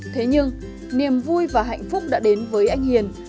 thế nhưng niềm vui và hạnh phúc đã đến với anh hiền